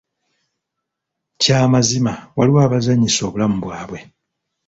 Kya mazima waliwo abazanyisa obulamu bwabwe.